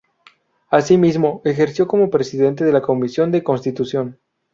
Asimismo, ejerció como Presidente de la Comisión de Constitución.